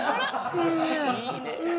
いいね。